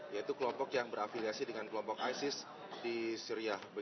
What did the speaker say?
yaitu kelompok yang berafiliasi dengan kelompok isis di syria